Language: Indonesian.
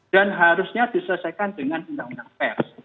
dan harusnya diselesaikan dengan undang undang pers